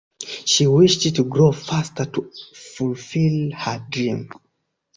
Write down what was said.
She wished to grow faster to fulfil her dream.